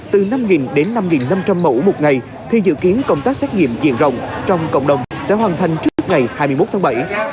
từ năm đến năm năm trăm linh mẫu một ngày thì dự kiến công tác xét nghiệm diện rộng trong cộng đồng sẽ hoàn thành trước ngày hai mươi một tháng bảy